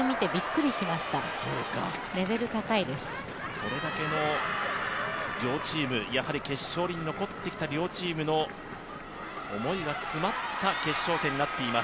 それだけの両チーム、やはり決勝に残ってきた両チームの思いが詰まった決勝戦になっています。